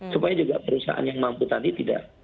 supaya juga perusahaan yang mampu tadi tidak